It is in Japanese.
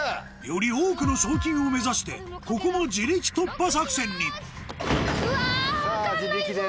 より多くの賞金を目指してここも自力突破作戦にうわ分かんないぞ全然。